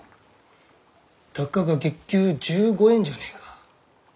たかが月給１５円じゃねえか。